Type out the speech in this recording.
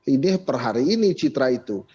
ini per hari ini citra itu